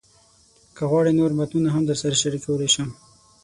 که غواړئ، نور متنونه هم درسره شریکولی شم.